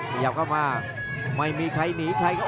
ขยับเข้ามาไม่มีใครหนีใครครับ